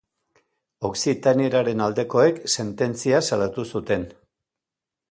Okzitanieraren aldekoek sententzia salatu zuten.